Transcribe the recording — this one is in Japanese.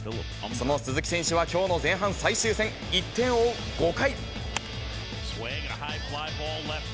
その鈴木選手はきょうの前半最終戦、１点を追う５回。